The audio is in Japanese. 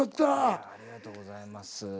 ありがとうございます。